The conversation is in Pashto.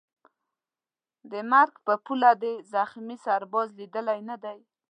د مرګ پر پوله دي زخمي سرباز لیدلی نه دی